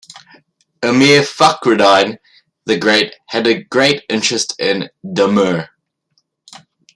Emir Fakhreddine the Great had a great interest in Damour.